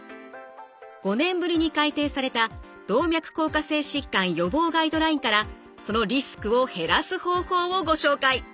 ５年ぶりに改訂された「動脈硬化性疾患予防ガイドライン」からそのリスクを減らす方法をご紹介。